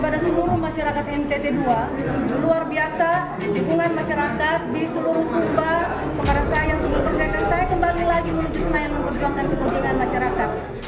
pak rasa yang kembali lagi menuju senayan untuk berjuangkan kepentingan masyarakat